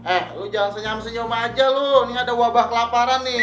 eh lo jangan senyum senyum aja lo nih ada wabah kelaparan nih